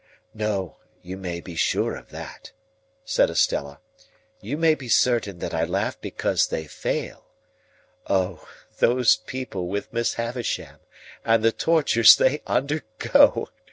"No, no you may be sure of that," said Estella. "You may be certain that I laugh because they fail. O, those people with Miss Havisham, and the tortures they undergo!"